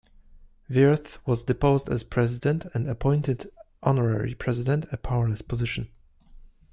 Wirth was deposed as president and appointed honorary president, a powerless position.